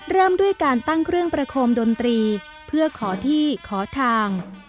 เริ่มด้วยการตั้งเครื่องประโคมดนตรีเพื่อขอที่ขอทาง